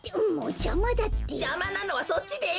じゃまなのはそっちです！